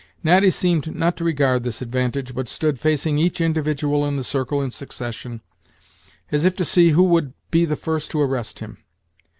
Natty seemed not to regard this advantage, but stood facing each individual in the circle in succession, as if to see who would be the first to arrest him.